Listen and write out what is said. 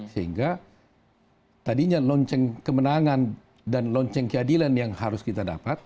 sehingga tadinya lonceng kemenangan dan lonceng keadilan yang harus kita dapat